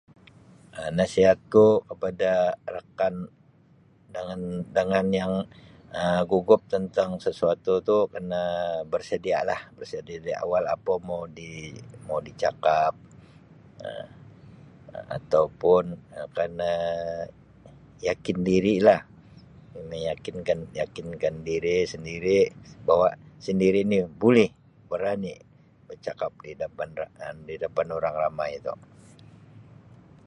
Um Nasihatku kepada rakan dangan-dangan dangan yang Um gugup tentang sesuatu tu kena bersedialah, bersedia dari awal apa mau di mau di cakap Um atau pun kana yakin diri lah, kena yakinkan-yakinkan diri sendiri bahawa sendiri ni buleh berani becakap di dapan Um di dapan urang ramai.